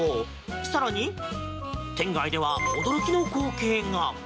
更に、店外では驚きの光景が。